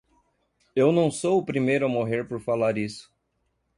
Eu não sou o primeiro a morrer por falar isso.